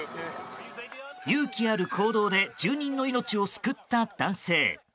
勇気ある行動で住人の命を救った男性。